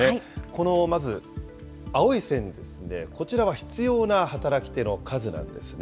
このまず青い線ですね、こちらは必要な働き手の数なんですね。